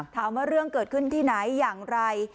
ถามว่าเรื่องเกิดขึ้นที่ไหนอย่างไร